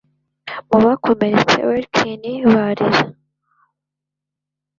Mu bakomeretse welkin barira.